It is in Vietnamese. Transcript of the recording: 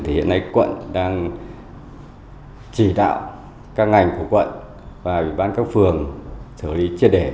thì hiện nay quận đang chỉ đạo các ngành của quận và ủy ban các phường xử lý triệt đề